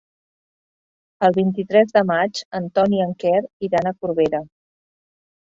El vint-i-tres de maig en Ton i en Quer iran a Corbera.